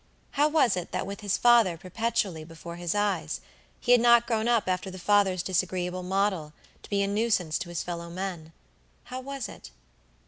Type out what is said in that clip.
How was it that with his father perpetually before his eyes, he had not grown up after the father's disagreeable model, to be a nuisance to his fellow men? How was it?